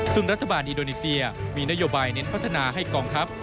ซึ่งรัฐบาลอินโดนีเซียมีนโยบายเน้นพัฒนาให้กองทัพ